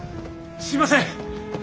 すいません！